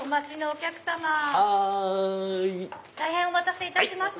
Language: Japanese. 大変お待たせいたしました。